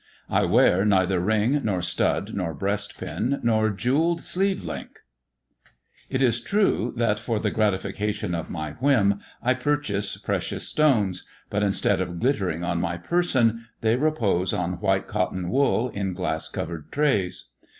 I wear neither ring, nor studj nor breast pin, nor jewelled sleeve link. 866 MY COUSIN FROM FRANCE It is true that, for the gratification of mj whim, I purchase precious stones, but, instead of glittering on my person, they repose on white cotton wool in glass covered trays.